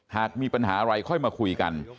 หากมีปัญหาอะไรค่อยมาคุยกัน